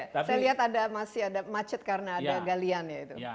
saya lihat masih ada macet karena ada galian ya itu